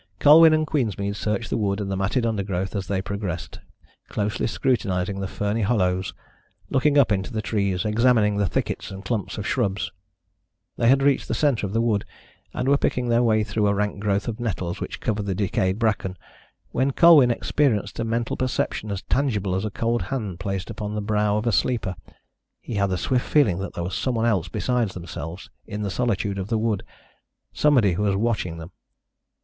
Colwyn and Queensmead searched the wood and the matted undergrowth as they progressed, closely scrutinising the ferny hollows, looking up into the trees, examining the thickets and clumps of shrubs. They had reached the centre of the wood, and were picking their way through a rank growth of nettles which covered the decayed bracken, when Colwyn experienced a mental perception as tangible as a cold hand placed upon the brow of a sleeper. He had the swift feeling that there was somebody else besides themselves in the solitude of the wood somebody who was watching them.